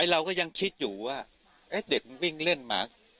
เราก็ยังคิดอยู่ว่าเด็กมันวิ่งเล่นมา